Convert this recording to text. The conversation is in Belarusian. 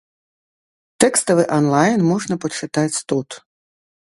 Тэкставы анлайн можна пачытаць тут.